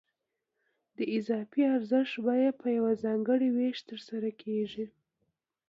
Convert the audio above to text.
د اضافي ارزښت بیه په یو ځانګړي وېش ترلاسه کېږي